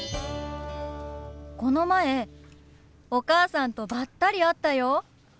この前お母さんとばったり会ったよ！